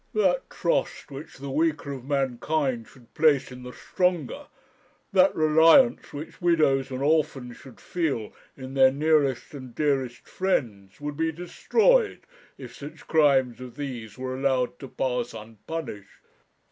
That trust which the weaker of mankind should place in the stronger, that reliance which widows and orphans should feel in their nearest and dearest friends, would be destroyed, if such crimes as these were allowed to pass unpunished.